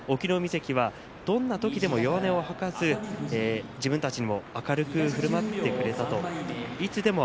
隠岐の海関はどんな時でも弱音を吐かず自分たちにも明るくふるまってくれました。